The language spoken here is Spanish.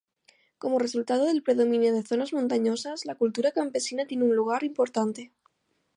Como resultado del predominio de zonas montañosa, la cultura campesina tiene un lugar importante.